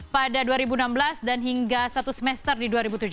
pada dua ribu enam belas dan hingga satu semester di dua ribu tujuh belas